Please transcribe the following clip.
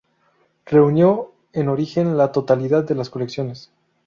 Reunió en origen la totalidad de las colecciones.